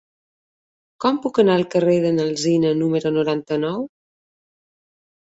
Com puc anar al carrer de n'Alsina número noranta-nou?